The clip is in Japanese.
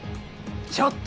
ちょっと！